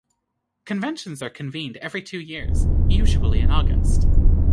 Conventions are convened every two years, usually in August.